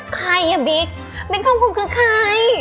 ใครอะบิ๊กบิ๊กทองภูมิคือใคร